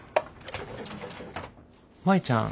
舞ちゃん？